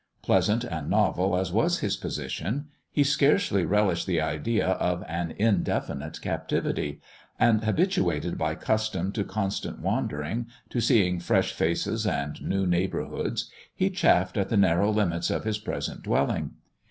Pleasant and novel as was his position, he scarcely relished the idea of an indefinite captivity ; and, habituated by custom to constant wandering, to seeing fresh faces and new neighbourhoods, he chafed at the narrow limits of his present dwelling.